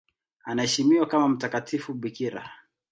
Anaheshimiwa kama mtakatifu bikira.